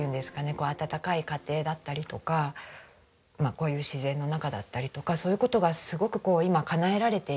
こう温かい家庭だったりとかこういう自然の中だったりとかそういう事がすごくこう今かなえられていて。